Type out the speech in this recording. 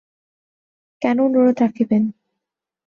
কেন অনুরোধ রাখিবেন?